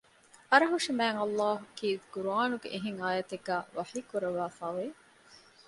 އަރަހުށިމާތްﷲ ކީރިތި ޤުރްއާނުގެ އެހެން އާޔަތެއްގައި ވަޙީކުރައްވައިފައިވެ